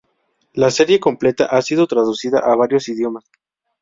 La serie completa ha sido traducida a varios idiomas.